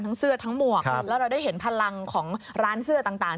เสื้อทั้งหมวกแล้วเราได้เห็นพลังของร้านเสื้อต่าง